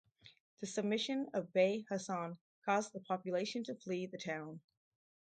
The submission of Bey Hassan caused the population to flee the town.